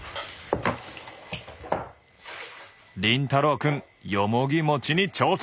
凛太郎くんよもぎ餅に挑戦！